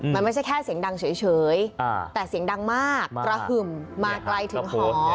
มันไม่ใช่แค่เสียงดังเฉยแต่เสียงดังมากกระหึ่มมาไกลถึงหอ